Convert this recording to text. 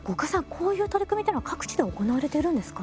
こういう取り組みっていうのは各地で行われてるんですか？